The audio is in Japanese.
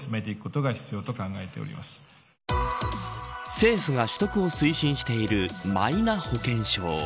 政府が取得を推進しているマイナ保険証。